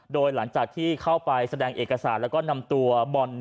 โดยหลังจากที่เข้าไปแสดงเอกสารแล้วก็นำตัวบอล